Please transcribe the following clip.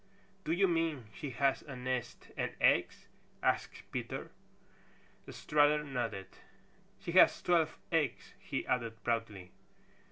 "Do you mean she has a nest and eggs?" asked Peter. Strutter nodded. "She has twelve eggs," he added proudly.